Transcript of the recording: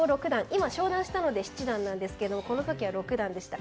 今、昇段したので七段ですがこの時は六段でした。